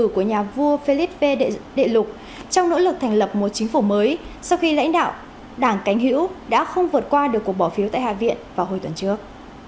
họ đã đề cử của nhà vua philip v đệ lục trong nỗ lực thành lập một chính phủ mới sau khi lãnh đạo đảng cánh hữu đã không vượt qua được cuộc bỏ phiếu tại hạ viện vào hồi tuần trước